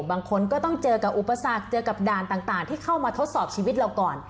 บางคนก็ต้องเจอกับอุปสรรคเจอกับด่านต่างที่เข้ามาทดสอบชีวิตเราก่อน